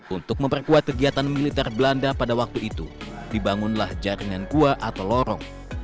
untuk memperkuat kegiatan militer belanda pada waktu itu dibangunlah jaringan gua atau lorong